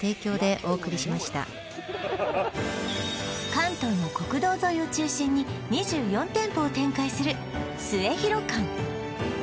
関東の国道沿いを中心に２４店舗を展開するスエヒロ館